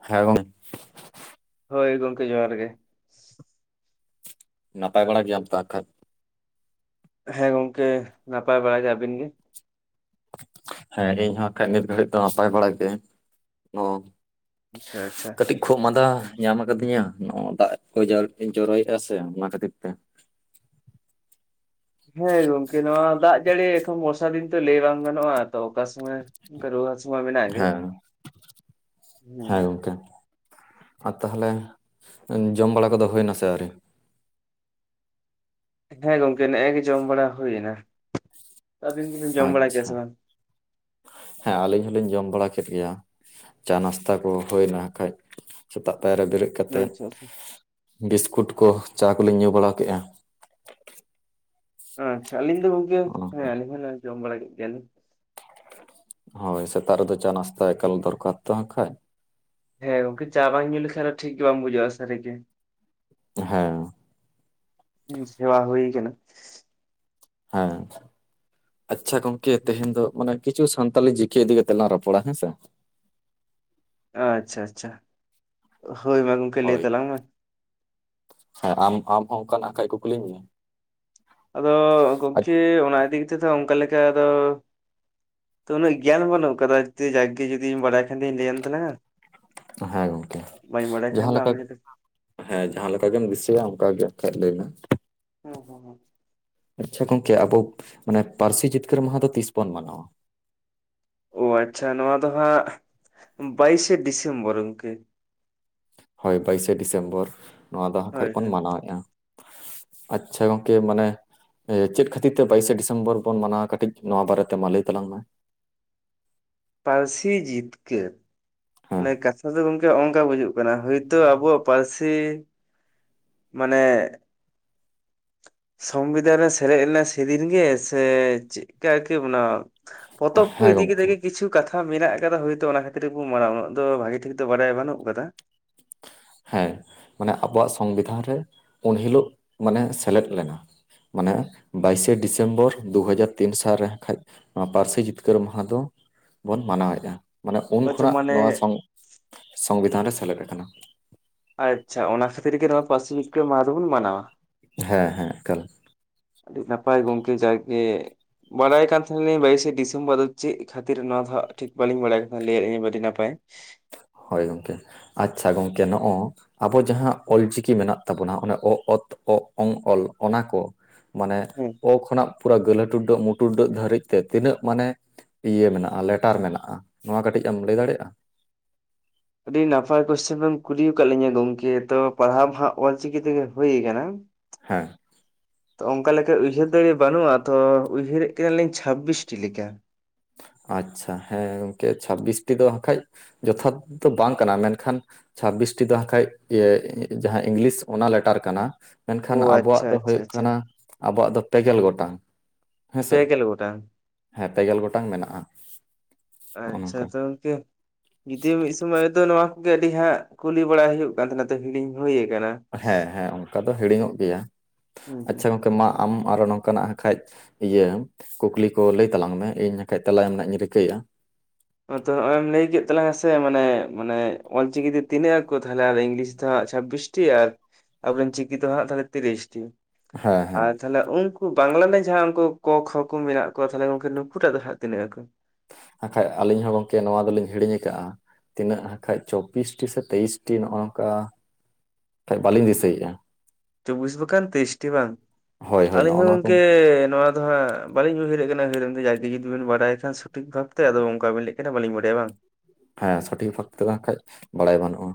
ᱦᱮᱸ ᱜᱚᱝ ᱦᱳᱭ ᱜᱚᱢᱠᱮ ᱡᱚᱦᱟᱨ ᱜᱮ ᱱᱟᱯᱟᱭ ᱵᱟᱲᱟ ᱜᱮᱟᱢ ᱛᱚ ᱦᱟᱜ ᱠᱷᱟᱡ? ᱦᱮᱸ ᱜᱚᱝᱠᱮ ᱱᱟᱯᱟᱭ ᱵᱟᱲᱟ ᱜᱮ ᱟᱹᱵᱤᱱ ᱜᱮ? ᱦᱮᱸ ᱤᱧ ᱦᱚᱸ ᱦᱟᱜᱠᱷᱟᱡ ᱱᱤᱛ ᱜᱷᱟᱹᱲᱤᱡ ᱫᱚ ᱱᱟᱯᱟᱭ ᱵᱟᱲᱟ ᱜᱮ ᱚ ᱟᱪᱪᱷᱟ ᱠᱟᱹᱴᱤᱡ ᱠᱷᱩᱜ ᱢᱟᱸᱫᱟ ᱧᱟᱢ ᱟᱠᱟᱫᱤᱧᱟ ᱱᱚᱜ ᱫᱟᱜ ᱠᱚ ᱡ ᱡᱚᱨᱚᱭᱮᱫᱼᱟ ᱥᱮ ᱚᱱᱟ ᱠᱷᱟᱹᱛᱤᱨ ᱛᱮ ᱦᱮᱸ ᱜᱚᱝᱠᱮ ᱱᱚᱣᱟ ᱫᱟᱜ ᱡᱟᱹᱲᱤ ᱮᱠᱷᱚᱱ ᱵᱚᱨᱥᱟ ᱫᱤᱱ ᱛᱚ ᱞᱟᱹᱭ ᱵᱟᱝ ᱜᱟᱱᱚᱜᱼᱟ ᱛᱚ ᱚᱠᱟ ᱥᱚᱢᱚᱭ ᱚᱱᱠᱟ ᱨᱩᱣᱟᱹ ᱦᱟᱥᱩ ᱢᱟ ᱢᱮᱱᱟᱜ ᱜᱮ ᱦᱮᱸ ᱦᱮᱸ ᱜᱚᱝᱠᱮ ᱟᱨ ᱛᱟᱦᱚᱞᱮ ᱡᱚᱢ ᱵᱟᱲᱟ ᱠᱚᱫᱚ ᱦᱩᱭᱱᱟᱥᱮ ᱟᱹᱣᱨᱤ? ᱦᱮᱸ ᱜᱚᱝᱠᱮ ᱱᱮᱜᱼᱮ ᱜᱮ ᱡᱚᱢ ᱵᱟᱲᱟ ᱦᱩᱭᱱᱟ ᱟᱹᱵᱤᱱ ᱫᱚᱵᱤᱱ ᱡᱚᱢ ᱵᱟᱲᱟ ᱠᱮᱜᱼᱟ ᱥᱮ ᱟᱪᱪᱷᱟ ᱵᱟᱝ? ᱦᱮᱸ ᱟᱹᱞᱤᱧ ᱦᱚᱞᱤᱧ ᱡᱚᱢ ᱵᱟᱲᱟ ᱠᱮᱫ ᱜᱮᱭᱟ ᱪᱟ ᱱᱟᱥᱛᱟ ᱠᱚ ᱦᱩᱭᱱᱟ ᱦᱟᱜᱠᱷᱟᱡ ᱥᱮᱛᱟᱜ ᱯᱟᱭᱟᱨ ᱨᱮ ᱵᱮᱨᱮᱫ ᱠᱟᱛᱮᱫ ᱟᱪᱪᱷᱟ ᱟᱪᱪᱷᱟ ᱵᱤᱥᱠᱩᱴ ᱠᱚ ᱪᱟ ᱠᱚᱞᱤᱧ ᱧᱩ ᱵᱟᱲᱟ ᱠᱮᱜᱼᱟ ᱟᱪᱪᱷᱟ ᱟᱞᱤᱧ ᱫᱚ ᱜᱚᱝᱠᱮ ᱦᱚᱜᱼᱚ ᱦᱮᱸ ᱱᱚᱝᱠᱟ ᱟᱹᱞᱤᱧ ᱦᱚᱸᱞᱤᱧ ᱡᱚᱢ ᱵᱟᱲᱟ ᱠᱮᱜ ᱜᱮᱭᱟ ᱞᱤᱧ ᱦᱳᱭ ᱥᱮᱛᱟᱜ ᱨᱮ ᱫᱚ ᱪᱟ ᱱᱟᱥᱛᱟ ᱮᱠᱟᱞ ᱫᱚᱨᱠᱟᱨ ᱛᱚ ᱦᱟᱸᱜ ᱠᱷᱟᱡ ᱦᱮᱸ ᱜᱚᱢᱠᱮ ᱪᱟ ᱵᱟᱝ ᱧᱩ ᱞᱮᱠᱷᱟᱱ ᱴᱷᱤᱠ ᱜᱮ ᱵᱟᱝ ᱵᱩᱡᱷᱟᱹᱜᱼᱟ ᱥᱟᱹᱨᱤ ᱜᱮ ᱦᱮᱸ ᱦᱩ ᱥᱮᱵᱟ ᱦᱩᱭ ᱠᱟᱱᱟ ᱦᱮᱸ ᱟᱪᱷᱟ ᱜᱚᱝᱠᱮ ᱛᱮᱦᱮᱧ ᱫᱚ ᱢᱟᱱᱮ ᱠᱤᱪᱷᱩ ᱥᱟᱱᱛᱟᱞᱤ ᱡᱤᱠᱮ ᱤᱫᱤ ᱠᱟᱛᱮᱜ ᱞᱟᱝ ᱨᱚᱯᱚᱲᱟ ᱦᱮᱸᱥᱮ᱾ ᱟᱪᱷᱟ ᱟᱪᱷᱟ ᱦᱳᱭ ᱢᱟ ᱜᱚᱝᱠᱮ ᱞᱟᱹᱭ ᱦᱳᱭ ᱛᱟᱞᱟᱝ ᱢᱮ? ᱦᱮᱸ ᱟᱢ ᱟᱢ ᱦᱚᱸ ᱚᱱᱠᱟᱱᱟᱜ ᱠᱷᱟᱱᱡ ᱠᱚ ᱠᱩᱠᱞᱤᱧ ᱢᱮ? ᱟᱫᱚ ᱜᱚᱢᱠᱮ ᱟᱪ- ᱚᱱᱟ ᱤᱫᱤ ᱠᱟᱛᱮᱫᱚ ᱚᱱᱠᱟ ᱞᱮᱠᱟ ᱫᱚ ᱛᱚ ᱩᱱᱟᱹᱜ ᱜᱮᱭᱟᱱ ᱵᱟᱹᱱᱩᱜ ᱟᱠᱟᱫᱟ ᱡᱮ ᱡᱟᱠ ᱜᱮ ᱡᱩᱫᱤᱧ ᱵᱟᱰᱟᱭ ᱠᱷᱟᱱ ᱡᱩᱫᱤᱧ ᱵᱟᱰᱟᱭ ᱠᱷᱟᱱ ᱫᱩᱧ ᱞᱟᱹᱭᱟᱢ ᱛᱟᱞᱟᱝᱼᱟ ᱦᱮᱸ ᱜᱚᱢᱠᱮ ᱠᱷᱟᱱ ᱡᱟᱦᱟᱸ ᱫᱚ ᱞᱮᱠᱟ ᱟᱢ ᱜᱮ ᱦᱮᱸ ᱡᱟᱦᱟᱸ ᱞᱮᱠᱟ ᱜᱮᱢ ᱫᱤᱥᱟᱹᱭᱟ ᱚᱱᱠᱟ ᱜᱮ ᱟᱠᱷᱟᱡ ᱞᱟᱹᱭ ᱢᱮ? ᱦᱩᱸ ᱦᱩᱸ ᱦᱩᱸ ᱟᱪᱷᱟ ᱜᱚᱝᱠᱮ ᱟᱵᱚ ᱢᱟᱱᱮ ᱯᱟᱹᱨᱥᱤ ᱡᱤᱛᱠᱟᱹᱨ ᱢᱟᱦᱟ ᱫᱚ ᱛᱤᱥ ᱵᱚᱱ ᱢᱟᱱᱟᱣᱟ? ᱚ ᱟᱪᱷᱟ ᱱᱚᱣᱟ ᱫᱚ ᱦᱟᱸᱜ ᱵᱟᱭᱤᱥᱮ ᱰᱤᱥᱮᱢᱵᱚᱨ ᱜᱚᱝᱠᱮ᱾ ᱦᱳᱭ ᱵᱟᱭᱤᱥᱮ ᱰᱤᱥᱮᱢᱵᱚᱨ ᱱᱚᱣᱟ ᱫᱚ ᱦᱟᱸ ᱠᱷᱷᱟᱡ ᱦᱳᱭ ᱵᱚᱱ ᱦᱳᱭ ᱢᱟᱱᱟᱣᱮᱜᱼᱟ᱾ ᱟᱪᱷᱟ ᱜᱚᱝᱠᱮ ᱢᱟᱱᱮ ᱪᱮᱫ ᱠᱷᱟᱹᱛᱤᱨ ᱛᱮ ᱵᱟᱭᱤᱥᱮ ᱰᱤᱥᱮᱢᱵᱚᱨ ᱵᱚᱱ ᱢᱟᱱᱟᱣᱟ ᱠᱟᱹᱴᱤᱡ ᱱᱚᱣᱟ ᱵᱟᱨᱮᱛᱮ ᱢᱟ ᱞᱟᱹᱭ ᱛᱟᱞᱟᱝ ᱢᱮ? ᱯᱟᱹᱨᱥᱤ ᱡᱤᱛᱠᱟᱹᱨ ᱦᱮᱸ ᱢᱟᱱᱮ ᱠᱟᱛᱷᱟ ᱫᱚ ᱜᱚᱝ ᱚᱱᱠᱟ ᱵᱩᱡᱩᱜ ᱠᱟᱱᱟ ᱦᱚᱭᱛᱚ ᱟᱵᱚᱣᱟᱜ ᱯᱟᱹᱨᱥᱤ ᱢᱟᱱᱮ ᱥᱚᱝᱵᱤᱫᱷᱟᱱ ᱨᱮ ᱥᱮᱞᱮᱫ ᱞᱮᱱᱟ ᱥᱮᱫᱤᱱ ᱜᱮ ᱥᱮ ᱪᱮᱫᱠᱟᱠᱤ ᱚᱱᱟ ᱯᱚᱛᱚᱵ ᱠᱚ ᱦᱮᱸ ᱤᱫᱤ ᱜᱚᱝᱠᱮ ᱠᱮᱫᱮ ᱜᱮ ᱠᱤᱪᱷᱩ ᱠᱟᱛᱷᱟ ᱠᱷᱟ ᱢᱮᱱᱟᱜ ᱟᱠᱟᱫᱟ ᱦᱚᱭᱛᱚ ᱚᱱᱟ ᱠᱷᱟᱹᱛᱤᱨ ᱜᱮᱵᱚ ᱩᱱᱟᱹᱜ ᱫᱚ ᱵᱷᱟᱹᱜᱤ ᱴᱷᱤᱠ ᱫᱚ ᱵᱟᱰᱟᱭ ᱵᱟᱹᱱᱩᱜ ᱟᱠᱟᱫᱟ ᱦᱮᱸ ᱢᱟᱱᱮ ᱟᱵᱚᱣᱟᱜ ᱥᱚᱝᱵᱤᱫᱷᱟᱱ ᱨᱮ ᱩᱱ ᱦᱤᱞᱩᱜ ᱢᱟᱱᱮ ᱥᱮᱞᱮᱫ ᱞᱮᱱᱟ ᱢᱟᱱᱮ ᱵᱟᱭᱤᱥᱮ ᱰᱤᱥᱮᱢᱵᱚᱨ ᱫᱩ ᱦᱟᱡᱟᱨ ᱛᱤᱱ ᱥᱟᱨᱮ ᱠᱷᱟᱡ ᱱᱚᱣᱟ ᱯᱟᱹᱨᱥᱤ ᱡᱤᱛᱠᱟᱹᱨ ᱢᱟᱦᱟ ᱫᱚ ᱵᱚᱱ ᱢᱟᱱᱟᱣᱮᱜᱼᱟ ᱢᱟᱱᱮ ᱩᱱ ᱟᱪᱪᱷᱟ ᱠᱷᱚᱱᱟᱜ ᱢᱟᱱᱮ ᱱᱚᱣᱟ ᱥᱚᱝ ᱥᱚᱝᱵᱤᱫᱷᱟᱱ ᱨᱮ ᱥᱮᱞᱮᱫ ᱟᱠᱟᱱᱟ ᱟᱪᱷᱟ ᱚᱱᱟ ᱠᱷᱟᱹᱛᱤᱨ ᱜᱮ ᱱᱚᱣᱟ ᱯᱟᱹᱨᱥᱤ ᱡᱤᱛᱠᱟᱨ ᱢᱟᱦᱟ ᱫᱚᱵᱚᱱ ᱢᱟᱱᱟᱣᱟ ᱦᱮᱸ ᱦᱮᱸ ᱮᱠᱟᱞ ᱟᱹᱰᱤᱜ ᱱᱟᱯᱟᱭ ᱜᱚᱝᱠᱮ ᱡᱟᱭ ᱜᱮ ᱵᱟᱰᱟᱭ ᱠᱟᱱ ᱛᱟᱦᱮᱱᱟ ᱞᱤᱧ ᱵᱟᱭᱤᱥᱮ ᱰᱤᱥᱮᱢᱵᱚᱨ ᱫᱚ ᱪᱮᱫ ᱠᱷᱟᱹᱛᱤᱨ ᱱᱚᱣᱟ ᱫᱚ ᱴᱷᱤᱠ ᱵᱟᱹᱞᱤᱧ ᱵᱟᱲᱟᱭ ᱠᱟᱱᱟ ᱞᱟᱹᱭᱮᱫ ᱟᱹᱰᱤ ᱱᱟᱯᱟᱭ ᱯᱟᱭ ᱦᱚᱭ ᱜᱚᱝᱠᱮ ᱟᱪᱪᱷᱟ ᱜᱚᱝᱠᱮ ᱱᱚᱜᱼᱚ ᱟᱵᱚ ᱡᱟᱦᱟᱸ ᱚᱞᱪᱤᱠᱤ ᱢᱮᱱᱟᱜ ᱛᱟᱵᱚᱱᱟ ᱚᱱᱟ ᱚ ᱛ ᱜ ᱝ ᱞ ᱚᱱᱟ ᱠᱚ ᱢᱟᱱᱮ ᱦᱮᱸ ᱚ ᱠᱷᱚᱱᱟᱜ ᱯᱩᱨᱟᱹ ᱜᱟᱹᱞᱦᱟᱹ ᱴᱩᱰᱟᱹᱜ ᱢᱩᱴᱩᱰᱟᱹᱜ ᱫᱷᱟᱹᱨᱤᱡ ᱛᱮ ᱛᱤᱱᱟᱹᱜ ᱢᱟᱱᱮ ᱤᱭᱟᱹ ᱢᱮᱱᱟᱜᱼᱟ ᱞᱮᱴᱟᱨ ᱢᱮᱱᱟᱜᱼᱟ ᱱᱚᱣᱟ ᱠᱟᱹᱴᱤᱡ ᱮᱢ ᱞᱟᱹᱭ ᱫᱟᱲᱮᱭᱟᱜᱼᱟ ᱟᱹᱰᱤ ᱱᱟᱯᱟᱭ ᱠᱩᱥᱪᱮᱱᱮᱢ ᱠᱩᱞᱤ ᱟᱠᱟᱫ ᱞᱤᱧᱟᱹ ᱜᱚᱢᱠᱮ ᱛᱚ ᱯᱟᱲᱦᱟᱣ ᱢᱟ ᱦᱟᱸᱜ ᱚᱞᱪᱤᱠᱤ ᱛᱮᱜᱮ ᱦᱩᱭ ᱠᱟᱱᱟ ᱦᱮᱸ ᱛᱚ ᱚᱱᱠᱟ ᱞᱮᱠᱟ ᱩᱭᱦᱟᱹᱨ ᱫᱟᱲᱮ ᱵᱟᱹᱱᱩᱜᱼᱟ ᱛᱚ ᱩᱭᱦᱟᱹᱨᱮᱜ ᱜᱮᱭᱟᱞᱤᱧ ᱪᱷᱟᱵ ᱵᱤᱥᱴᱤ ᱞᱮᱠᱟ ᱟᱪᱪᱷᱟ ᱦᱮᱸ ᱜᱚᱢᱠᱮ ᱪᱷᱟᱵᱤᱥᱴᱤ ᱫᱚ ᱵᱟᱠᱷᱟᱡ ᱡᱚᱛᱷᱟᱛ ᱫᱚ ᱵᱟᱝ ᱠᱟᱱᱟ ᱢᱮᱱᱠᱷᱟᱱ ᱪᱷᱟᱵᱤᱥᱴᱤ ᱫᱚᱟᱸ ᱠᱷᱟᱡ ᱡᱟᱦᱟᱸ ᱤᱝᱞᱤᱥ ᱚᱱᱟ ᱞᱮᱴᱟᱨ ᱠᱟᱱᱟ ᱚ ᱢᱮᱱᱠᱷᱟᱱ ᱟᱵᱚᱣᱟᱜ ᱟᱪᱪᱷᱟ ᱫᱚ ᱟᱪᱪᱷᱟ ᱦᱩᱭᱩᱜ ᱟᱪᱪᱷᱟ ᱠᱟᱱᱟ ᱟᱵᱚᱣᱟᱜ ᱫᱚ ᱯᱮᱜᱮᱞ ᱜᱚᱴᱟᱝ ᱦᱮᱸ ᱥᱮ ᱯᱮᱜᱮᱞ ᱜᱚᱴᱟᱝ ᱦᱮᱸ ᱯᱮᱜᱮᱞ ᱜᱚᱴᱟᱝ ᱢᱮᱱᱟᱜᱼᱟ ᱱᱚᱜᱼᱚ ᱟᱪᱪᱷᱟ ᱱᱚᱝᱠᱟ ᱛᱚᱝᱠᱮ ᱡᱩᱫᱤ ᱢᱤᱫ ᱥᱚᱢᱚᱭ ᱫᱚ ᱱᱚᱣᱟ ᱠᱚᱜᱮ ᱟᱹᱰᱤ ᱦᱟᱸᱜ ᱠᱩᱞᱤ ᱵᱟᱲᱟᱭ ᱦᱩᱭᱩᱜ ᱠᱟᱱ ᱛᱟᱦᱮᱱᱟ ᱛᱚ ᱦᱤᱲᱤᱧ ᱦᱩᱭ ᱟᱠᱟᱱᱟ ᱦᱮᱸ ᱦᱮᱸ ᱚᱱᱠᱟ ᱫᱚ ᱦᱤᱲᱤᱧᱚᱜ ᱜᱮᱭᱟ ᱦᱩᱸ ᱦᱩᱸ ᱟᱪᱪᱷᱟ ᱦᱩᱸ ᱜᱚᱝᱠᱮ ᱢᱟ ᱟᱢ ᱟᱨᱚ ᱱᱚᱝᱠᱟᱱᱟᱜ ᱠᱷᱟᱡ ᱤᱭᱟᱹ ᱠᱩᱠᱞᱤ ᱠᱚ ᱞᱟᱹᱭ ᱛᱟᱞᱟᱝ ᱢᱮ ᱤᱧ ᱵᱟᱠᱷᱟᱡ ᱛᱮᱞᱟ ᱮᱢ ᱨᱮᱱᱟᱜ ᱤᱧ ᱨᱤᱠᱟᱹᱭᱟ ᱛᱚ ᱱᱚ ᱚᱭᱮᱢ ᱞᱟᱹᱭ ᱠᱮᱫ ᱛᱟᱞᱟᱝᱟ ᱥᱮ ᱢᱟᱱᱮ ᱢᱟᱱᱮ ᱚᱞᱪᱤᱠᱤ ᱛᱮ ᱛᱤᱱᱟᱹᱜ ᱟᱠᱷᱚ ᱛᱟᱦᱚᱞᱮ ᱟᱨ ᱤᱝᱞᱤᱥ ᱫᱚ ᱦᱟᱸᱜ ᱪᱷᱟᱵᱤᱥ ᱟᱨ ᱟᱵᱚᱨᱤᱱ ᱪᱤᱠᱤ ᱫᱚ ᱦᱟᱸᱜ ᱛᱟᱦᱚᱞᱮ ᱛᱤᱨᱤᱥᱴᱤ ᱦᱮᱸ ᱟᱨ ᱦᱮᱸ ᱛᱟᱦᱚᱞᱮ ᱩᱱᱠᱩ ᱵᱟᱝᱞᱟ ᱨᱮᱱ ᱡᱟᱦᱟᱸ ᱩᱱᱠᱩ ᱠᱚ ᱠᱷᱚ ᱠᱚ ᱢᱮᱱᱟᱜ ᱠᱚᱣᱟ ᱛᱟᱦᱚᱞᱮ ᱜᱚᱢᱠᱮ ᱱᱩᱠᱩᱴᱟᱜ ᱫᱚ ᱦᱟᱸᱜ ᱛᱤᱱᱟᱹᱜ ᱟᱠᱚ ᱟᱠᱷᱟᱡ ᱟᱹᱞᱤᱧ ᱦᱚᱸ ᱜᱚᱝᱠᱮ ᱱᱚᱣᱟ ᱫᱚᱞᱤᱧ ᱦᱤᱲᱤᱧ ᱟᱠᱟᱜᱼᱟ᱾ ᱛᱤᱱᱟᱹᱜ ᱦᱟᱠᱷᱟᱡ ᱪᱚᱵᱵᱤᱥᱴᱤ ᱥᱮ ᱛᱮᱭᱤᱥᱴᱤ ᱱᱚᱜᱼᱚ ᱱᱚᱝᱠᱟ ᱠᱷᱟᱡ ᱵᱟᱹᱞᱤᱧ ᱫᱤᱥᱟᱹᱭᱮᱫᱼᱟ ᱪᱳᱵᱵᱤᱥ ᱵᱟᱠᱷᱟᱱ ᱛᱤᱨᱤᱥᱴᱤ ᱵᱟᱝ ᱦᱳᱭ ᱦᱳᱭ ᱟᱹᱞᱤᱧ ᱱᱚᱜᱼᱚ ᱦᱚᱸ ᱱᱚᱣᱟ ᱠᱚ ᱜᱚᱝᱠᱮ ᱱᱚᱣᱟ ᱫᱚ ᱦᱟᱸᱜ ᱵᱟᱹᱞᱤᱧ ᱩᱭᱦᱟᱹᱨᱮᱫ ᱠᱟᱱᱟ ᱩᱦᱟᱹᱨ ᱡᱟᱜᱮ ᱡᱩᱫᱤᱵᱱ ᱵᱟᱲᱟᱭ ᱠᱷᱟᱱ ᱥᱚᱴᱷᱤᱠ ᱵᱷᱟᱵᱛᱮ ᱟᱫᱚ ᱚᱱᱠᱟᱵᱤᱱ ᱞᱟᱹᱭ ᱠᱮᱫᱟ ᱵᱟᱞᱤᱧ ᱵᱟᱰᱟᱭᱟ ᱵᱟᱝ ᱦᱮᱸ ᱥᱚᱴᱷᱤᱠ ᱵᱷᱟᱯ ᱛᱮ ᱫᱚ ᱠᱷᱟᱡ ᱵᱟᱲᱟᱭ ᱵᱟᱹᱱᱩᱜᱼᱟ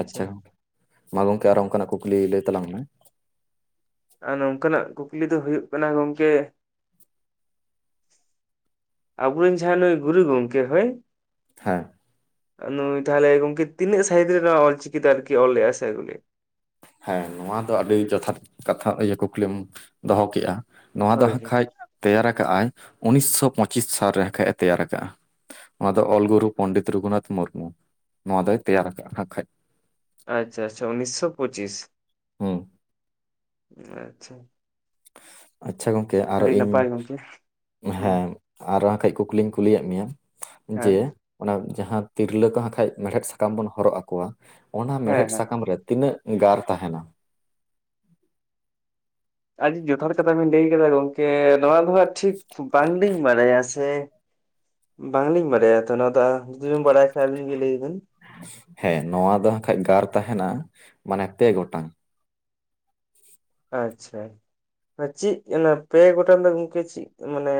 ᱟᱪᱪᱷᱟ ᱢᱟ ᱜᱚᱢᱠᱮ ᱟᱨᱦᱚ ᱚᱱᱠᱟᱱᱟᱜ ᱠᱩᱠᱞᱤ ᱞᱟᱹᱭ ᱛᱟᱞᱟᱝ ᱢᱮ ᱟ ᱱᱚᱝᱠᱟᱱᱟᱜ ᱠᱩᱠᱞᱤ ᱫᱚ ᱦᱩᱭᱩᱜ ᱠᱟᱱᱟ ᱜᱚᱝᱠᱮ ᱟᱵᱚᱨᱮᱱ ᱡᱟᱦᱟᱸᱭ ᱱᱩᱭ ᱜᱩᱨᱩ ᱜᱚᱢᱠᱮ ᱦᱚᱭ ᱦᱮᱸ ᱱᱩᱭ ᱛᱟᱦᱚᱞᱮ ᱜᱚᱝᱠᱮ ᱛᱤᱱᱟᱹᱜ ᱥᱟᱦᱤᱛ ᱨᱮ ᱚᱞᱪᱤᱠᱤᱛᱮ ᱟᱨᱠᱤ ᱚᱞ ᱞᱮᱜᱼᱟ ᱥᱮ ᱟᱜᱩᱞᱮᱜ ᱦᱮᱸ ᱱᱚᱣᱟ ᱫᱚ ᱟᱹᱰᱤ ᱡᱚᱛᱷᱟᱛ ᱠᱟᱛᱷᱟ ᱤᱭᱟᱹ ᱠᱩᱠᱞᱤᱢ ᱫᱚᱦᱚ ᱠᱮᱫᱼᱟ ᱱᱚᱣᱟ ᱫᱚ ᱦᱳᱭ ᱦᱟᱸᱜ ᱦᱳᱭ ᱠᱷᱟᱡ ᱛᱮᱭᱟᱨ ᱠᱟᱜᱼ ᱟᱭ ᱩᱱᱤᱥᱥᱚ ᱯᱳᱪᱤᱥ ᱥᱟᱞ ᱨᱮ ᱠᱟᱱᱡ ᱮ ᱛᱮᱭᱟᱨ ᱟᱠᱟᱜᱼᱟ ᱱᱚᱣᱟ ᱫᱚ ᱚᱞᱜᱩᱨᱩ ᱯᱚᱱᱰᱤᱛ ᱨᱚᱜᱷᱩᱱᱟᱛᱷ ᱢᱩᱨᱢᱩ ᱱᱚᱣᱟ ᱫᱚᱭ ᱛᱮᱭᱟᱨ ᱟᱠᱟᱜᱼᱟ ᱟᱸᱜ ᱠᱷᱟᱡ ᱟᱪᱪᱷᱟ ᱟᱪᱪᱷᱟ ᱩᱱᱤᱥᱥᱚ ᱯᱳᱪᱤᱥ ᱦᱩᱸ ᱚ ᱟᱪᱪᱷᱟ ᱟᱪᱪᱷᱟ ᱜᱚᱝᱠᱮ ᱟᱨᱚ ᱟᱹᱰᱤ ᱤᱧ ᱱᱟᱯᱟᱭ ᱜᱚᱝᱠᱮ ᱦᱩᱸ ᱦᱮᱸ ᱟᱨ ᱦᱚᱸ ᱟᱠᱷᱟᱡ ᱠᱩᱠᱞᱤᱧ ᱠᱩᱞᱤᱭᱮᱫ ᱢᱮᱭᱟ ᱦᱮᱸ ᱡᱮ ᱚᱱᱟ ᱡᱟᱦᱟᱸ ᱛᱤᱨᱞᱟᱹ ᱠᱚ ᱠᱷᱟᱱ ᱢᱮᱲᱦᱮᱫ ᱥᱟᱠᱟᱢ ᱵᱚᱱ ᱦᱚᱨᱚᱜ ᱟᱠᱚᱣᱟ ᱚᱱᱟ ᱦᱮᱸ ᱢᱮᱲᱦᱮᱫ ᱦᱮᱸ ᱥᱟᱠᱟᱢ ᱨᱮ ᱛᱤᱱᱟᱹᱜ ᱜᱟᱨ ᱛᱟᱦᱮᱱᱟ ᱟᱹᱰᱤ ᱡᱚᱛᱷᱟᱛ ᱠᱟᱛᱷᱟ ᱵᱮᱱ ᱞᱟᱹᱭ ᱠᱮᱫᱫᱟ ᱜᱚᱢᱠᱮ ᱱᱚᱣᱟ ᱫᱚᱦᱟᱸᱜ ᱴᱷᱤᱠ ᱵᱟᱝᱞᱤᱧ ᱵᱟᱲᱟᱭᱟ ᱥᱮ ᱵᱟᱝᱞᱤᱧ ᱵᱟᱲᱟᱭᱟ ᱛᱚ ᱱᱚᱣᱟ ᱫᱚ ᱡᱩᱫᱩ ᱵᱤᱱ ᱵᱟᱲᱟᱭ ᱠᱷᱟᱱ ᱜᱮ ᱞᱟᱹᱭ ᱵᱤᱱ ᱦᱮᱸ ᱱᱚᱣᱟ ᱫᱚ ᱦᱟᱸᱜᱠᱷᱟᱡ ᱜᱟᱨ ᱛᱟᱦᱮᱱᱟ ᱢᱟᱱᱮ ᱯᱮ ᱜᱚᱴᱟᱝ ᱚ ᱟᱪᱪᱷᱟ ᱪᱤᱜ ᱚᱱᱟ ᱯᱮ ᱜᱚᱴᱟᱝ ᱫᱚ ᱜᱚᱝᱠᱮ ᱪᱤᱜ ᱢᱟᱱᱮ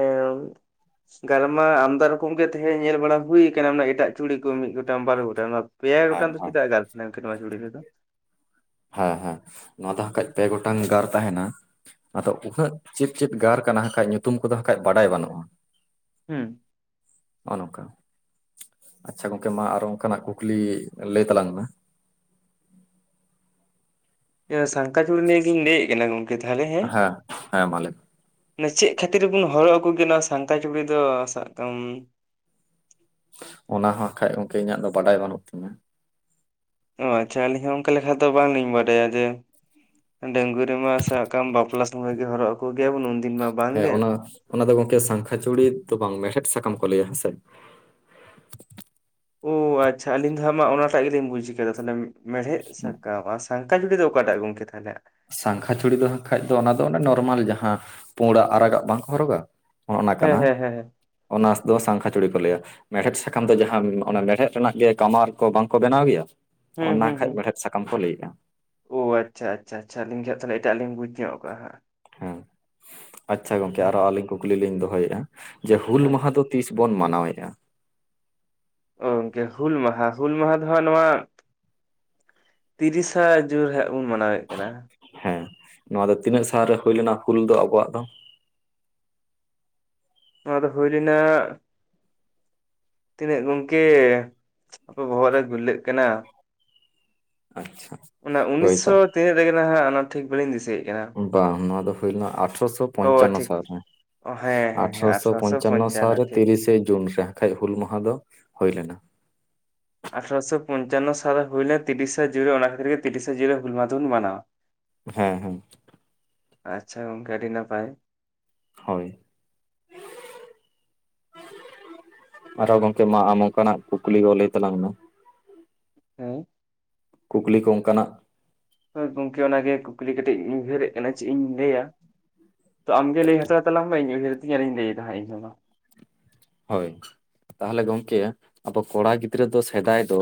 ᱜᱟᱞᱢᱟ ᱟᱢᱫᱟ ᱨᱚᱠᱚᱢ ᱜᱮ ᱛᱟᱦᱮᱸ ᱧᱮᱞ ᱵᱟᱲᱟ ᱦᱩᱭ ᱟᱠᱟᱱᱟ ᱮᱴᱟᱜ ᱪᱩᱲᱤ ᱠᱚ ᱢᱤᱫ ᱜᱚᱴᱟᱝ ᱵᱟᱨ ᱜᱚᱴᱟᱝ ᱯᱮᱭᱟ ᱦᱮᱸ ᱜᱚᱴᱟᱝ ᱫᱚ ᱦᱮᱸ ᱪᱮᱫᱟᱜ ᱜᱟᱨ ᱛᱟᱦᱮᱱᱟ ᱱᱚᱣᱟ ᱡᱩᱲ ᱨᱮ ᱫᱚ ᱦᱮᱸ ᱦᱮᱸ ᱱᱚᱣᱟ ᱫᱚ ᱦᱟᱸᱜ ᱠᱷᱟᱹᱡ ᱯᱮ ᱜᱚᱴᱟᱝ ᱜᱟᱨ ᱛᱟᱦᱮᱱᱟ ᱟᱫᱚ ᱩᱱᱟᱹᱜ ᱪᱮᱫ ᱪᱮᱫ ᱜᱟᱨ ᱠᱟᱱᱟ ᱦᱟᱸᱜ ᱠᱷᱟᱡ ᱧᱩᱛᱩᱢ ᱠᱚᱫᱚ ᱦᱟᱸᱜᱠᱷᱟᱡ ᱵᱟᱰᱟᱭ ᱵᱟᱹᱱᱩᱜᱼᱟ᱾ ᱩᱸ ᱚ ᱱᱚᱝᱠᱟ ᱟᱪᱪᱷᱟ ᱜᱚᱝᱠᱮ ᱢᱟ ᱟᱨᱚ ᱚᱱᱠᱟᱱᱟᱜ ᱠᱩᱠᱞᱤ ᱮ ᱞᱟᱹᱭ ᱛᱟᱞᱟᱝ ᱢᱮ? ᱤᱭᱟᱹ ᱥᱟᱝᱠᱟ ᱪᱩᱲᱤ ᱱᱤᱭᱟᱹ ᱜᱤᱧ ᱞᱟᱹᱭᱮᱜ ᱠᱟᱱᱟ ᱜᱚᱝᱠᱮ ᱛᱟᱦᱞᱮ ᱦᱮᱸ᱾ ᱦᱮᱸ ᱢᱟ ᱞᱟᱹᱭ ᱢᱮ᱾ ᱢᱟᱱᱮ ᱪᱮᱜ ᱠᱷᱟᱹᱛᱤᱨ ᱵᱩᱱ ᱦᱚᱨᱚᱜ ᱟᱠᱚ ᱨᱮᱭᱟ ᱱᱚᱣᱟ ᱥᱟᱝᱠᱟ ᱪᱩᱲᱤ ᱫᱚ ᱥᱟᱵ ᱠᱟᱜᱟᱢ ᱚᱱᱟ ᱦᱚᱸ ᱠᱷᱟᱡ ᱜᱚᱝᱠᱮ ᱤᱧᱟᱜ ᱫᱚ ᱵᱟᱰᱟᱭ ᱵᱟᱱᱩᱜ ᱛᱤᱧᱟ᱾ ᱚ ᱟᱪᱪᱷᱟ ᱟᱹᱞᱤᱧ ᱦᱚᱸ ᱚᱱᱠᱟ ᱞᱮᱠᱷᱟ ᱫᱚ ᱵᱟᱝ ᱞᱤᱧ ᱵᱟᱰᱟᱭᱟ ᱡᱮ ᱰᱟᱹᱝᱜᱽᱣᱟᱹ ᱨᱮᱢᱟ ᱥᱟᱵ ᱠᱟᱢ ᱵᱟᱯᱞᱟ ᱥᱚᱢᱚᱭ ᱜᱮ ᱦᱚᱨᱚᱜ ᱟᱠᱚ ᱜᱮᱭᱟ ᱵᱚᱱ ᱩᱱ ᱦᱮᱸ ᱚᱱᱟ ᱚᱱᱟ ᱫᱚ ᱜᱚᱝᱠᱮ ᱥᱟᱝᱠᱷᱟ ᱪᱩᱲᱤ ᱫᱚ ᱵᱟᱝ ᱢᱮᱬᱦᱮᱫ ᱥᱟᱠᱟᱢ ᱠᱚ ᱞᱟᱹᱭᱟ ᱦᱮᱸ ᱥᱮ᱾ ᱳᱻ ᱟᱪᱪᱷᱟ ᱟᱹᱞᱤᱧ ᱫᱚ ᱦᱟᱸᱜ ᱢᱟ ᱚᱱᱟ ᱴᱟᱜ ᱜᱤᱞᱤᱧ ᱵᱩᱡᱽ ᱠᱟᱫᱟ ᱛᱟᱦᱚᱞᱮ ᱢᱮᱲᱦᱮᱸᱫ ᱥᱟᱠᱟᱢ ᱥᱟ ᱥᱟᱝᱠᱷᱟ ᱡᱩᱲᱤ ᱫᱚ ᱚᱠᱟᱴᱟᱜ ᱜᱚᱝᱠᱮ ᱛᱟᱦᱮᱞᱮᱜ? ᱥᱟᱸᱠᱷᱟ ᱪᱷᱩᱲᱤ ᱫᱚ ᱦᱟᱸᱜ ᱠᱷᱟᱡ ᱫᱚ ᱚᱱᱟ ᱫᱚ ᱚᱱᱟ ᱱᱚᱨᱢᱟᱞ ᱡᱟᱦᱟᱸ ᱯᱩᱸᱲᱟᱜ ᱟᱨᱟᱜᱟᱜ ᱵᱟᱝ ᱠᱚ ᱦᱚᱨᱚᱜᱟ᱾ ᱚᱜ ᱚᱱᱟ ᱦᱮᱸ ᱠᱟᱱᱟ ᱦᱮᱸ ᱦᱮᱸ ᱚᱱᱟᱥ ᱫᱚ ᱥᱟᱝᱠᱷᱟ ᱪᱩᱲᱤ ᱠᱚ ᱞᱟᱹᱭᱟ᱾ ᱢᱮᱬᱦᱮᱫ ᱥᱟᱠᱟᱢ ᱫᱚ ᱡᱟᱦᱟᱸ ᱚᱱᱟ ᱢᱮᱬᱦᱮᱫ ᱨᱮᱱᱟᱜ ᱜᱮ ᱠᱟᱢᱟᱨ ᱠᱚ ᱵᱟᱝ ᱠᱚ ᱵᱮᱱᱟᱣ ᱜᱮᱭᱟ ᱚᱱᱟ ᱠᱷᱟᱡ ᱢᱮᱬᱦᱮᱫ ᱥᱟᱠᱟᱢ ᱠᱚ ᱞᱟᱹᱭᱮᱜ-ᱟ᱾ ᱳᱻ ᱟᱪᱪᱷᱟ ᱟᱪᱷᱟ ᱪᱷᱟ ᱟᱹᱞᱤᱧ ᱜᱮ ᱦᱟᱸᱜ ᱛᱟᱦᱚᱞᱮ ᱮᱴᱟᱜ ᱞᱤᱧ ᱵᱩᱡᱽ ᱧᱚᱜ ᱠᱟᱜ-ᱟ ᱦᱟᱸᱜ ᱦᱮᱸ ᱟᱪᱪᱷᱟ ᱜᱚᱝᱠᱮ ᱟᱨᱚ ᱟᱞᱤᱧ ᱠᱩᱠᱞᱤ ᱞᱤᱧ ᱫᱚᱦᱚᱭᱮᱜ-ᱟ ᱡᱮ ᱦᱩᱞ ᱦᱳᱭ ᱢᱟᱦᱟᱸ ᱫᱚ ᱛᱤᱥ ᱵᱚᱱ ᱢᱟᱱᱟᱣᱮᱜ-ᱟ? ᱚ ᱜᱚᱝᱠᱮ ᱦᱩᱞ ᱢᱟᱦᱟᱸ ᱦᱩᱞ ᱢᱟᱦᱟᱸ ᱫᱚ ᱦᱟᱸᱜ ᱱᱚᱣᱟ ᱛᱤᱨᱤᱥᱟ ᱡᱩ ᱦᱮᱡ ᱟᱵᱚᱵᱩᱱ ᱢᱟᱱᱟᱣᱮᱜ ᱠᱟᱱᱟ᱾ ᱦᱮᱸ ᱱᱚᱣᱟ ᱫᱚ ᱛᱤᱱᱟᱹᱜ ᱥᱟᱨ ᱨᱮ ᱦᱩᱭ ᱞᱮᱱᱟ ᱦᱩᱞ ᱫᱚ ᱟᱵᱚᱣᱟᱜ ᱫᱚ? ᱱᱚᱣᱟ ᱫᱚ ᱦᱩᱭ ᱞᱮᱱᱟ ᱛᱤᱱᱟᱹᱜ ᱜᱚᱢᱠᱮ ᱦᱟᱯᱮ ᱵᱚᱦᱚᱜ ᱨᱮ ᱜᱩᱨᱞᱟᱹᱜ ᱠᱟᱱᱟ᱾ ᱟᱪᱪᱷᱟ᱾ ᱚᱱᱟ ᱦᱳᱭ ᱛᱚ ᱩᱱᱤᱥᱥᱚ ᱛᱤᱱᱟᱹᱜ ᱨᱮᱜᱮ ᱱᱟᱦᱟᱸᱜ ᱟᱱᱟ ᱴᱷᱤᱠ ᱵᱟᱹᱞᱤᱧ ᱫᱤᱥᱟᱹᱭᱮᱜᱼᱼ ᱵᱟᱝ ᱱᱚᱣᱟ ᱫᱚ ᱦᱩᱭ ᱞᱮᱱᱟ ᱟᱴᱷᱨᱚᱥᱚ ᱚ ᱯᱚᱧᱪᱟᱱᱱᱚ ᱴᱷᱤᱠ ᱥᱟᱞ ᱴᱷᱤᱠ ᱨᱮ᱾ ᱚ ᱦᱮᱸ ᱦᱮᱸ ᱦᱮᱸ ᱟᱴᱷᱨᱚᱥᱚ ᱯᱚᱧᱪᱟᱱᱱᱚ ᱥᱟᱞ ᱨᱮ ᱴᱷᱤᱠ ᱴᱷᱤᱠ ᱛᱤᱨᱤᱥᱮ ᱡᱩᱱ ᱨᱮ ᱠᱷᱟᱡ ᱦᱩᱞ ᱢᱟᱦᱟᱹ ᱫᱚ ᱦᱳᱭ ᱞᱮᱱᱟ᱾ ᱟᱴᱷᱨᱚᱥᱚ ᱯᱚᱧᱪᱟᱱᱱᱚ ᱥᱟᱞ ᱨᱮ ᱦᱩᱭ ᱞᱮᱱ ᱛᱤᱨᱤᱥᱟ ᱡᱩᱱ ᱨᱮ ᱚᱱᱟ ᱠᱷᱟᱹᱛᱤᱨ ᱛᱤᱨᱤᱥᱟ ᱡᱩᱱ ᱨᱮ ᱦᱩᱞ ᱢᱟᱦᱟᱸ ᱫᱩᱵᱩᱱ ᱢᱟᱱᱟᱣᱟ᱾ ᱦᱮᱸ ᱦᱮᱸ᱾ ᱟᱪᱪᱷᱟ ᱜᱚᱢᱠᱮ ᱟᱹᱰᱤ ᱱᱟᱯᱟᱭ᱾ ᱦᱚᱭ᱾ ᱟᱨᱚ ᱜᱚᱢᱠᱮ ᱢᱟ ᱟᱢ ᱚᱱᱠᱟᱱᱟᱜ ᱠᱩᱠᱞᱤ ᱠᱚ ᱞᱟᱹᱭ ᱛᱟᱞᱟᱝ ᱢᱮ? ᱦᱩᱸ᱾ ᱠᱩᱠᱞᱤ ᱠᱚ ᱚᱱᱠᱟ ᱱᱟᱜ ᱦᱚᱭ ᱜᱚᱝᱠᱮ ᱚᱱᱟ ᱜᱮ ᱠᱩᱠᱞᱤ ᱠᱟᱹᱴᱤᱡ ᱤᱧ ᱩᱭᱦᱟᱹᱨᱮᱜ ᱠᱟᱱᱟ ᱪᱮᱜ ᱤᱧ ᱞᱟᱹᱭᱟ᱾ ᱛᱚ ᱟᱢ ᱜᱮ ᱞᱟᱹᱭ ᱦᱟᱛᱟᱲ ᱛᱟᱞᱟᱝ ᱢᱮ ᱤᱧ ᱩᱭᱦᱟᱹᱨ ᱤᱫᱤᱧ ᱟᱨᱤᱧ ᱞᱟᱹᱭ ᱫᱟ ᱦᱟᱸᱜ ᱤᱧ ᱦᱚᱸ ᱢᱟ᱾ ᱦᱳᱭ ᱛᱟᱦᱚᱞᱮ ᱜᱚᱝᱠᱮ ᱟᱵᱚ ᱠᱚᱲᱟ ᱜᱤᱫᱽᱨᱟᱹ ᱫᱚ ᱥᱮᱫᱟᱭ ᱫᱚᱼᱼ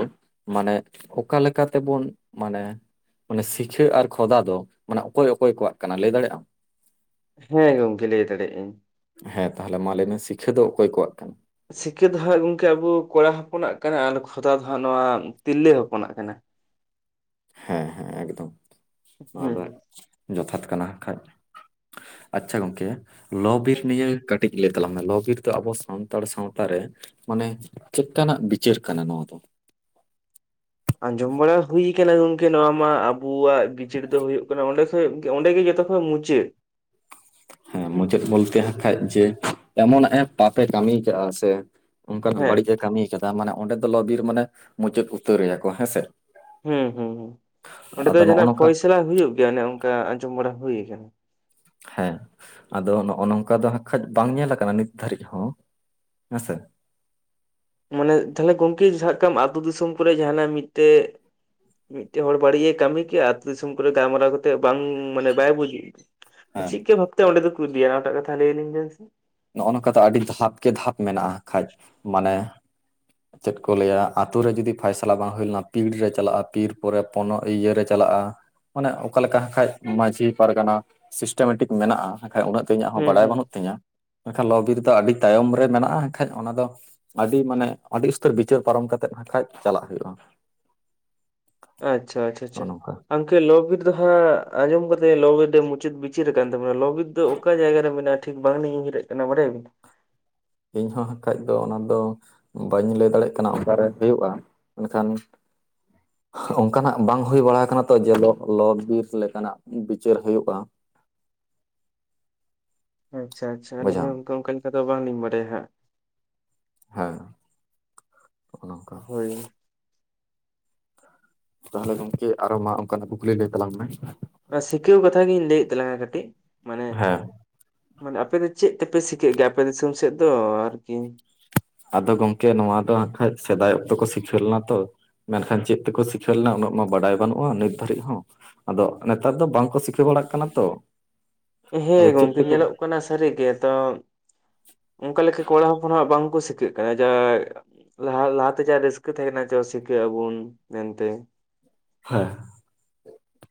ᱢᱟᱱᱮ ᱚᱠᱟ ᱞᱮᱠᱟ ᱛᱮᱵᱚᱱ ᱢᱟᱱᱮ ᱢᱟᱱᱮ ᱥᱤᱠᱷᱟᱹ ᱟᱨ ᱠᱷᱚᱫᱟ ᱫᱚ ᱢᱟᱱᱮ ᱚᱠᱚᱭ ᱚᱠᱚᱭ ᱠᱚᱣᱟᱜ ᱠᱟᱱᱟ ᱞᱟᱹᱭ ᱫᱟᱲᱮᱜ ᱟᱢ? ᱦᱮᱸ ᱜᱚᱢᱠᱮ ᱞᱟᱹᱭ ᱫᱟᱲᱮᱜ ᱤᱧ᱾ ᱦᱮᱸ ᱛᱟᱦᱚᱞᱮ ᱢᱟ ᱞᱟᱹᱭ ᱢᱮ ᱥᱤᱠᱷᱟᱹ ᱫᱚ ᱚᱠᱚᱭ ᱠᱚᱣᱟᱜ ᱠᱟᱱᱟ? ᱥᱤᱠᱟᱹ ᱫᱚ ᱦᱟᱸᱜ ᱜᱚᱝᱠᱮ ᱟᱵᱚ ᱠᱚᱲᱟ ᱦᱚᱯᱚᱱᱟᱜ ᱠᱟᱱᱟ ᱟᱨ ᱠᱷᱚᱫᱟ ᱫᱚ ᱦᱟᱸᱜ ᱱᱚᱣᱟ ᱛᱤᱨᱞᱟᱹ ᱦᱚᱯᱚᱱᱟᱜ ᱠᱟᱱᱟ᱾ [unintelligible] ᱦᱮᱸ ᱦᱮᱸ ᱮᱠᱫᱚᱢ ᱱᱚᱣᱟ ᱦᱩᱸ ᱫᱚᱼᱼ ᱦᱩᱸ ᱡᱚᱛᱷᱟᱛ ᱠᱟᱱᱟ ᱠᱷᱟᱡ ᱟᱪᱪᱷᱟ ᱜᱚᱢᱠᱮ ᱞᱚ ᱵᱤᱨ ᱱᱤᱭᱟᱹ ᱠᱟᱹᱴ ᱴᱤᱡ ᱞᱟᱹᱭ ᱛᱟᱞᱟᱝ ᱢᱮ ᱞᱚ ᱵᱤᱨ ᱫᱚ ᱟᱵᱚ ᱥᱟᱱᱛᱟᱲ ᱥᱟᱶᱛᱟ ᱨᱮᱼᱼ ᱢᱟᱱᱮ ᱪᱮᱫ ᱠᱟᱱᱟᱜ ᱵᱤᱪᱟᱹᱨ ᱠᱟᱱᱟ ᱱᱚᱣᱟ ᱫᱚ? ᱟᱸᱡᱚᱢ ᱵᱟᱲᱟ ᱦᱩᱭ ᱟᱠᱟᱱᱟ ᱜᱚᱝᱠᱮ ᱱᱚᱣᱟ ᱢᱟ ᱟᱵᱩᱣᱟᱜ ᱵᱤᱪᱟᱹᱨ ᱫᱚ ᱦᱚᱭᱚᱜ ᱠᱟᱱᱟ ᱚᱸᱰᱮ ᱦᱚᱭᱟᱜ ᱜᱮ ᱚᱸᱰᱮ ᱜᱮ ᱡᱚᱛᱚ ᱠᱷᱚᱡ ᱢᱩᱪᱟᱹᱫ, ᱦᱮᱸ ᱢᱩᱪᱟᱹᱫ ᱵᱩᱞᱛᱮ ᱦᱟᱸᱜ ᱠᱷᱟᱡ ᱡᱮ ᱮᱢᱚᱱ ᱮᱸ ᱯᱟᱯᱮ ᱠᱟᱢᱤᱭ ᱠᱟᱜ-ᱟ ᱥᱮ ᱚᱱᱠᱟᱱ ᱦᱮᱸ ᱵᱟᱹᱲᱤᱡ ᱮ ᱠᱟᱢᱤᱭ ᱠᱟᱫᱟ ᱢᱟᱱᱮ ᱚᱸᱰᱮ ᱫᱚ ᱞᱚ ᱵᱤᱨ ᱢᱟᱱᱮ ᱢᱩᱪᱟᱹᱫ ᱩᱛᱟᱹᱨ ᱨᱮᱭᱟ ᱠᱚ ᱦᱮᱸ ᱥᱮ᱾ ᱦᱩᱸ ᱦᱩᱸ ᱚᱸᱰᱮ ᱫᱚ ᱱᱚᱜᱼᱚ ᱡᱟᱦᱟᱸᱱᱟᱜ ᱱᱚᱝᱠᱟ ᱯᱷᱚᱭᱥᱟᱞᱟ ᱦᱩᱭᱩᱜ ᱜᱮᱭᱟ ᱚᱱᱮ ᱚᱱᱠᱟ ᱟᱸᱡᱚᱢ ᱵᱟᱲᱟ ᱦᱩᱭ ᱟᱠᱟᱱᱟ, ᱦᱮᱸ ᱟᱫᱚ ᱱᱚᱜᱼᱚ ᱱᱚᱝᱠᱟ ᱫᱚ ᱱᱟᱠᱷᱟᱡ ᱵᱟᱝ ᱧᱮᱞ ᱟᱠᱟᱱᱟ ᱱᱤᱛ ᱫᱷᱟᱹᱨᱤᱡ ᱦᱚᱸ ᱦᱮᱸᱥᱮ, ᱢᱟᱱᱮ ᱛᱟᱦᱞᱮ ᱜᱚᱢᱠᱮ ᱥᱟᱵ ᱠᱟᱜ ᱠᱟᱢ ᱟᱛᱳ ᱫᱤᱥᱚᱢ ᱠᱚᱨᱮ ᱡᱟᱦᱟᱱᱟᱜ ᱢᱤᱫᱴᱮᱡ, ᱢᱤᱫᱴᱮᱡ ᱦᱚᱲ ᱵᱟᱹᱲᱤᱡ ᱮ ᱠᱟᱹᱢᱤ ᱠᱮᱜᱼᱟ ᱟᱛᱳ ᱫᱤᱥᱚᱢ ᱠᱚᱨᱮ ᱜᱟᱞᱢᱟᱨᱟᱣ ᱠᱟᱛᱮᱜ ᱵᱟᱝ ᱢᱟᱱᱮ ᱵᱟᱭ ᱵᱩᱡᱽᱼᱟ, ᱦᱮᱸ ᱪᱤᱫᱠᱟ ᱵᱷᱟᱵᱽᱛᱮ ᱚᱸᱰᱮ ᱫᱚᱠᱚ ᱤᱫᱤᱭᱟ ᱚᱱᱟᱴᱟᱜ ᱠᱟᱛᱷᱟ ᱞᱟᱹᱭᱟᱞᱤᱧ ᱵᱮᱱ ᱥᱮ, ᱱᱚᱜᱼᱚ ᱱᱚᱝᱠᱟ ᱫᱚ ᱟᱹᱰᱤ ᱫᱷᱟᱯ ᱜᱮ ᱫᱷᱟᱯ ᱢᱮᱱᱟᱜᱼᱟ ᱠᱷᱟᱡ ᱢᱟᱱᱮ ᱪᱮᱫ ᱠᱚ ᱞᱟᱹᱭᱟ ᱟᱛᱳ ᱨᱮ ᱡᱩᱫᱤ ᱯᱷᱟᱭᱥᱟᱞᱟ ᱵᱟᱝ ᱦᱩᱭ ᱞᱮᱱᱟ ᱯᱤᱲ ᱨᱮ ᱪᱟᱞᱟᱜᱼᱟ ᱯᱤᱲ ᱯᱚᱨᱮ ᱚᱱᱱᱚ ᱤᱭᱟᱹ ᱨᱮ ᱪᱟᱞᱟᱜᱼᱟ ᱢᱟᱱᱮ ᱚᱠᱟ ᱞᱮᱠᱟ ᱦᱟᱸᱜ ᱠᱷᱟᱡ ᱢᱟᱺᱡᱷᱤ ᱯᱟᱨᱜᱟᱱᱟ ᱥᱤᱥᱴᱮᱢᱮᱴᱤᱠ ᱢᱮᱱᱟᱜᱼᱟ, ᱟᱠᱷᱟᱡ ᱩᱱᱟᱹᱜ ᱫᱚ ᱤᱧᱟᱹᱜ ᱦᱚᱸ ᱦᱩᱸ ᱵᱟᱲᱟᱭ ᱦᱩᱸ ᱵᱟᱹᱱᱩᱜ ᱛᱤᱧᱟᱹ ᱢᱮᱱᱠᱷᱟᱱ ᱞᱚᱼᱵᱤᱨ ᱨᱮᱫᱚ ᱟᱹᱰᱤ ᱛᱟᱭᱚᱢ ᱨᱮ ᱢᱮᱱᱟᱜᱼᱟ ᱮᱱᱠᱷᱟᱡ ᱚᱱᱟ ᱫᱚ ᱟᱹᱰᱤ ᱢᱟᱱᱮ ᱟᱹᱰᱤ ᱩᱥᱛᱟᱹᱨ ᱵᱤᱪᱟᱹᱨ ᱯᱟᱨᱚᱢ ᱠᱟᱛᱮᱜ ᱟᱠᱷᱟᱱᱡ ᱪᱟᱞᱟᱜ ᱦᱩᱭᱩᱜᱼᱟ [unintelligible] ᱟᱪᱪᱷᱟ ᱟᱪᱪᱷᱟ ᱱᱚᱜᱼᱚ ᱟᱪᱪᱷᱟ ᱱᱚᱝᱠᱟ ᱜᱚᱢᱠᱮ ᱞᱚᱼᱵᱤᱨ ᱫᱚ ᱦᱟᱸᱜ ᱟᱸᱡᱚᱢ ᱠᱟᱛᱮ ᱞᱚᱼᱵᱤᱨ ᱫᱚ ᱢᱩᱪᱟᱹᱫ ᱵᱤᱪ ᱪᱮᱫ ᱟᱠᱟᱱ ᱛᱟᱵᱚᱱᱟ ᱞᱚᱼᱵᱤᱨ ᱫᱚ ᱚᱠᱟ ᱡᱟᱭᱜᱟ ᱨᱮ ᱢᱮᱱᱟᱜᱼᱟ ᱴᱷᱤᱠ ᱵᱟᱝᱞᱤᱧ ᱩᱭᱦᱟᱹᱨᱮᱫ ᱠᱟᱱᱟ ᱵᱟᱰᱟᱭᱟᱵᱤᱱ ᱤᱧᱦᱚᱸ ᱦᱟᱸᱜ ᱠᱷᱟᱡ ᱫᱚ ᱚᱱᱟ ᱫᱚ ᱵᱟᱹᱧ ᱞᱟᱹᱭ ᱫᱟᱲᱮᱜ ᱠᱟᱱᱟ ᱚᱠᱟᱨᱮ ᱦᱩᱭᱩᱜᱼᱟ ᱢᱮᱱᱠᱷᱟᱱ ᱚᱱᱠᱟᱱᱟᱜ ᱵᱟᱝ ᱦᱩᱭ ᱵᱟᱲᱟ ᱟᱠᱟᱱᱟ ᱛᱚ ᱡᱮ ᱞᱚ ᱞᱚᱼᱵᱤᱨ ᱞᱮᱠᱟᱱᱟᱜ ᱵᱤᱪᱟᱹᱨ ᱦᱩᱭᱩᱜᱼᱟ, ᱟᱪᱪᱷᱟ ᱟᱪᱪᱷᱟ ᱟᱹᱞᱤᱧ ᱵᱩᱡᱷᱟᱹᱣ ᱦᱚᱸ ᱚᱱᱠᱟ ᱚᱱᱠᱟ ᱞᱮᱠᱟ ᱫᱚ ᱵᱟᱝᱞᱤᱧ ᱵᱟᱰᱟᱭᱟ ᱦᱟᱸᱜ- ᱦᱮᱸ ᱚᱱᱮ ᱚᱱᱠᱟ ᱦᱳᱭ ᱛᱟᱦᱚᱞᱮ ᱜᱚᱢᱠᱮ ᱟᱨᱚ ᱢᱟ ᱚᱱᱠᱟᱱᱟᱜ ᱠᱩᱠᱞᱤ ᱞᱟᱹᱭ ᱛᱟᱞᱟᱝ ᱢᱮᱻ ᱥᱤᱠᱷᱟᱹᱣ ᱠᱟᱛᱷᱟ ᱜᱤᱧ ᱞᱟᱹᱭᱮᱫ ᱛᱟᱞᱟᱝᱼᱟ ᱠᱟᱹᱴᱤᱡ ᱢᱟᱱᱮ ᱦᱮᱸ ᱢᱟᱱᱮ ᱟᱯᱮ ᱫᱚ ᱪᱮᱫ ᱛᱮᱯᱮ ᱥᱤᱠᱟᱹᱜ ᱜᱮᱭᱟ᱾ ᱟᱯᱮ ᱫᱤᱥᱚᱢ ᱥᱮᱫ ᱫᱚ ᱟᱨᱠᱤ᱾ ᱟᱫᱚ ᱜᱚᱢᱠᱮ ᱱᱚᱣᱟ ᱫᱚ ᱦᱟᱸᱠᱷᱟᱡ ᱥᱮᱫᱟᱭ ᱚᱠᱛᱮ ᱠᱚ ᱥᱤᱠᱷᱟᱹ ᱞᱮᱱᱟ ᱛᱚ᱾ ᱢᱮᱱᱠᱷᱟᱱ ᱪᱮᱫ ᱛᱮᱠᱚ ᱥᱤᱠᱷᱟᱹ ᱞᱮᱱᱟ ᱩᱱᱟᱹᱜ ᱢᱟ ᱵᱟᱰᱟᱭ ᱵᱟᱹᱱᱩᱜᱼᱟ ᱱᱤᱛ ᱫᱷᱟᱹᱨᱤᱡ ᱦᱚᱸ᱾ ᱟᱫᱚ ᱱᱮᱛᱟᱨ ᱫᱚ ᱵᱟᱝ ᱠᱚ ᱥᱤᱠᱟᱹᱜ ᱵᱟᱲᱟᱜ ᱠᱟᱱᱟ ᱛᱚ᱾ ᱦᱮᱸ ᱟᱫᱚ ᱪᱮᱫ ᱜᱚᱢᱠᱮ ᱛᱮᱠᱚ ᱧᱮᱞᱚᱜ ᱠᱟᱱᱟ ᱥᱟᱹᱨᱤ ᱜᱮ ᱛᱚ᱾ ᱚᱱᱠᱟ ᱞᱮᱠᱟ ᱠᱚᱲᱟ ᱦᱚᱯᱚᱱ ᱵᱟᱝ ᱠᱚ ᱥᱤᱠᱟᱹᱜ ᱠᱟᱱᱟ᱾ ᱡᱟ ᱞᱟᱦᱟ ᱞᱟᱦᱟᱛᱮ ᱡᱟ ᱨᱟᱹᱥᱠᱟᱹ ᱛᱟᱦᱮᱸ ᱠᱟᱱᱟ ᱡᱟ ᱥᱤᱠᱷᱟᱹᱜ ᱟᱵᱚᱱ ᱢᱮᱱᱛᱮ᱾ ᱦᱮᱸ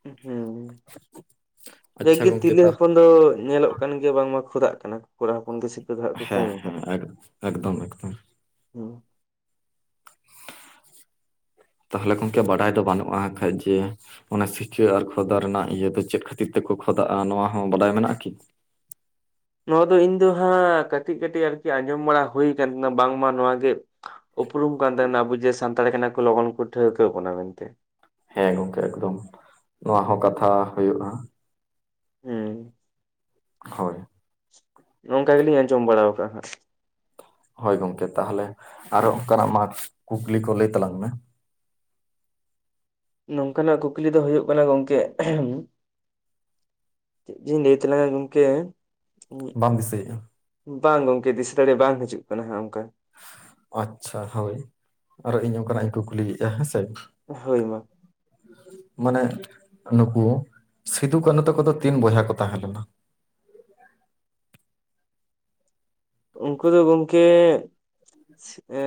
ᱦᱮᱸ ᱟᱪᱪᱷᱟ ᱡᱟᱜᱮ ᱜᱚᱝᱠᱮ ᱛᱤᱨᱞᱟᱹ ᱛᱟ ᱦᱚᱯᱚᱱ ᱫᱚ ᱧᱮᱞᱚᱜ ᱠᱟᱱ ᱜᱮᱭᱟ ᱵᱟᱝ ᱢᱟ ᱠᱷᱚᱫᱟᱜ ᱠᱟᱱᱟ ᱠᱚᱲᱟ ᱦᱚᱯᱚᱱ ᱜᱮ ᱫᱚ ᱦᱟᱸᱜ ᱠᱚ ᱠᱚᱢ ᱦᱮᱸ ᱦᱮᱸ ᱟᱠᱟᱫᱟ ᱮᱠ ᱮᱠᱫᱚᱢ ᱮᱠᱫᱚᱢ ᱦᱩᱸ [inaudible] ᱛᱟᱦᱚᱞᱮ ᱜᱚᱢᱠᱮ ᱵᱟᱰᱟᱭ ᱫᱚ ᱵᱟᱹᱱᱩᱜᱼᱟ, ᱟᱠᱷᱟᱡ ᱡᱮ ᱚᱱᱟ ᱥᱤᱠᱟᱹ ᱟᱨ ᱠᱷᱚᱫᱟ ᱨᱮᱱᱟᱜ ᱤᱭᱟᱹ ᱫᱚ ᱪᱮᱫ ᱠᱷᱟᱹᱛᱤᱨ ᱛᱮᱠᱚ ᱠᱷᱚᱫᱟᱜᱼᱟ, ᱱᱚᱣᱟ ᱦᱚᱸ ᱵᱟᱰᱟᱭ ᱢᱮᱱᱟᱜᱼᱟ ᱠᱤ? ᱱᱚᱣᱟ ᱫᱚ ᱤᱧ ᱫᱚ ᱦᱟᱸᱜ ᱠᱟᱹᱴᱤᱡ ᱠᱟᱹᱴᱤᱡ ᱟᱨᱠᱤ ᱟᱸᱡᱚᱢ ᱵᱟᱲᱟ ᱦᱩᱭ ᱟᱠᱟᱱ ᱛᱟᱦᱮᱸᱱᱟ ᱵᱟᱝ ᱢᱟ ᱱᱚᱣᱟ ᱜᱮ ᱩᱯᱨᱩᱢ ᱠᱟᱱ ᱛᱟᱦᱮᱸᱱᱟ᱾ ᱟᱵᱚ ᱡᱮ ᱥᱟᱱᱛᱟᱲ ᱠᱟᱱᱟ ᱠᱚ ᱞᱚᱜᱚᱱ ᱠᱚ ᱴᱷᱟᱹᱣᱠᱟᱹ ᱵᱚᱠᱟᱱᱟ ᱢᱮᱱᱛᱮ᱾ ᱦᱮᱸ ᱜᱚᱢᱠᱮ ᱮᱠᱫᱚᱢ ᱱᱚᱣᱟ ᱦᱚᱸ ᱠᱟᱛᱷᱟ ᱦᱩᱭᱩᱜᱼᱟ᱾ ᱦᱮᱸ ᱦᱳᱭ ᱱᱚᱝᱠᱟ ᱜᱮᱞᱤᱧ ᱟᱸᱡᱚᱢ ᱵᱟᱲᱟ ᱟᱠᱟᱫᱼᱟ ᱦᱟᱸᱜ᱾ ᱦᱳᱭ ᱜᱚᱢᱠᱮ ᱛᱟᱦᱚᱞᱮ ᱟᱨᱚ ᱚᱱᱠᱟᱱᱟᱜ ᱢᱟᱜᱽ ᱠᱩᱠᱞᱤ ᱠᱚ ᱞᱟᱹᱭ ᱛᱟᱞᱟᱝ ᱢᱮ᱾ ᱱᱚᱝᱠᱟ ᱱᱟᱜ ᱠᱩᱠᱞᱤ ᱫᱚ ᱦᱩᱭᱩᱜ ᱠᱟᱱᱟ ᱜᱚᱢᱠᱮ᱾ ᱪᱮᱫ ᱡᱮ ᱞᱟᱹᱭ ᱛᱟᱞᱟᱝ ᱜᱚᱢᱠᱮ᱾ ᱵᱟᱢ ᱫᱤᱥᱟᱹᱭᱮᱫᱼᱟ᱾ ᱵᱟᱝ ᱜᱚᱢᱠᱮ ᱫᱤᱥᱟᱹ ᱫᱟᱲᱮ ᱵᱟᱝ ᱦᱤᱡᱩᱜ ᱠᱟᱱᱟ ᱦᱟᱸᱜ ᱚᱱᱠᱟ᱾ ᱟᱪᱪᱷᱟ ᱦᱳᱭ ᱟᱨᱚ ᱤᱧ ᱚᱱᱠᱟᱱᱟᱜ ᱤᱧ ᱠᱩᱠᱞᱤᱭᱮᱫᱼᱟ ᱦᱮᱸᱥᱮ᱾ ᱦᱳᱭ ᱢᱟ᱾ ᱢᱟᱱᱮ ᱱᱩᱠᱩ ᱥᱤᱫᱩ ᱠᱟᱹᱱᱦᱩ ᱛᱟᱠᱚᱫᱚ ᱛᱤᱱ ᱵᱚᱭᱦᱟ ᱠᱚ ᱛᱟᱦᱮᱸᱞᱮᱱᱟ? ᱩᱱᱠᱩ ᱫᱚ ᱜᱚᱢᱠᱮᱼᱼ ᱮᱸ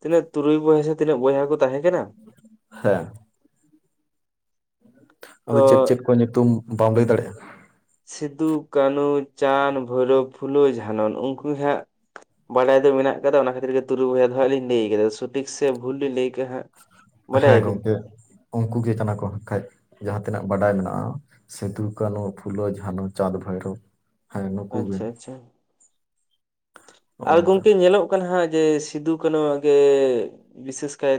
ᱛᱤᱱᱟᱹᱜ ᱛᱩᱨᱩᱭ ᱵᱚᱭᱦᱟ ᱥᱮ ᱛᱤᱱᱟᱹᱜ ᱵᱚᱭᱦᱟ ᱠᱚ ᱛᱟᱦᱮᱸ ᱠᱟᱱᱟ᱾ ᱦᱮᱸ ᱟᱫᱚ ᱪᱮᱫ ᱪᱮᱫ ᱛᱚ ᱠᱚ ᱧᱩᱛᱩᱢ ᱵᱟᱢ ᱞᱟᱹᱭ ᱫᱟᱲᱮᱭᱟᱜᱼᱟ? ᱥᱤᱫᱩ, ᱠᱟᱹᱱᱩ, ᱪᱟᱸᱫᱽ, ᱵᱷᱳᱭᱨᱵᱽ, ᱯᱷᱩᱞᱳ, ᱡᱷᱟᱱᱚᱱ ᱱᱩᱜᱼᱠᱩ ᱜᱮ ᱦᱟᱸᱜᱼᱼ ᱵᱟᱰᱟᱭ ᱫᱚ ᱢᱮᱱᱟᱜ ᱠᱟᱫᱟ᱾ ᱚᱱᱟ ᱠᱷᱟᱹᱛᱤᱨ ᱜᱮ ᱛᱩᱨᱩᱭ ᱵᱚᱭᱦᱟ ᱫᱚ ᱦᱟᱸᱜ ᱞᱤᱧ ᱞᱟᱹᱭ ᱠᱟᱫᱟ᱾ ᱥᱚᱴᱷᱤᱠ ᱥᱮ ᱵᱷᱩᱞ ᱞᱤᱧ ᱞᱟᱹᱭ ᱠᱟᱸᱜ ᱦᱟᱸᱜ᱾ ᱦᱮᱸ ᱵᱟᱰᱟᱭᱟᱵᱤᱱ ᱜᱚᱢᱠᱮ ᱩᱱᱠᱩ ᱜᱮ ᱠᱟᱱᱟ ᱠᱚ᱾ ᱠᱷᱟᱡᱽ ᱡᱟᱦᱟᱸ ᱛᱤᱱᱟᱹᱜ ᱵᱟᱰᱟᱭ ᱢᱮᱱᱟᱜᱼᱟ᱾ ᱥᱤᱫᱩ, ᱠᱟᱱᱦᱩ, ᱯᱷᱩᱞᱳ, ᱡᱷᱟᱱᱳ, ᱪᱟᱸᱫᱽ, ᱵᱷᱟᱭᱨᱳᱵᱷ, ᱟᱪᱪᱷᱟ ᱟᱪᱪᱷᱟ᱾ ᱱᱚᱜᱼᱚ ᱟᱫᱚ ᱱᱚᱝᱠᱟ ᱜᱚᱢᱠᱮ ᱧᱮᱞᱚᱜ ᱠᱟᱱᱟ ᱦᱟᱸᱜ ᱡᱮ ᱥᱤᱫᱩ ᱠᱟᱱᱩᱣᱟᱜ ᱜᱮ ᱵᱤᱥᱮᱥ ᱠᱟᱭᱛᱮᱼᱼ